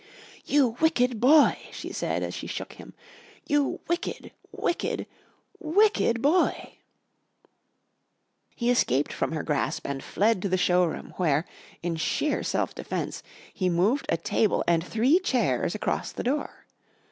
"You wicked boy!" she said as she shook him, "you wicked, wicked, wicked boy!" He escaped from her grasp and fled to the showroom, where, in sheer self defence, he moved a table and three chairs across the door.